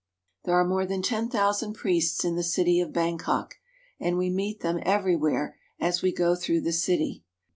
There are more than ten thousand priests in the city of Bangkok, and we meet them everywhere as we go through the city.